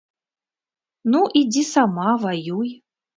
Ну, ідзі сама, ваюй.